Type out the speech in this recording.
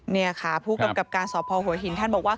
นี่ค่ะผู้กำกับการสพหัวหินท่านบอกว่า